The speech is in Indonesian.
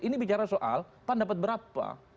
ini bicara soal pan dapat berapa